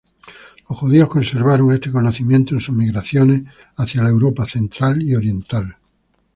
Los judíos conservaron este conocimiento en sus migraciones hacia la Europa central y oriental.